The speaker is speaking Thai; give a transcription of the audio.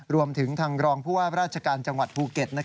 รวมถึงทางรองผู้ว่าราชการจังหวัดภูเก็ต